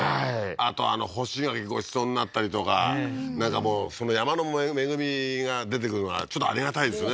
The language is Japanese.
あとあの干し柿ごちそうになったりとかなんかもう山の恵みが出てくるのがちょっとありがたいですね